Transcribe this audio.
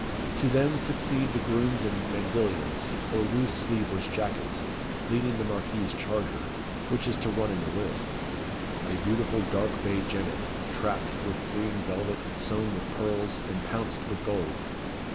To them succeed the grooms in mandilions, or loose sleeveless jackets, leading the Marquis's charger, which is to run in the lists a beautiful dark bay jennet trapped with green velvet, sewn with pearls, and pounced with gold.